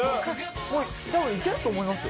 多分行けると思いますよ。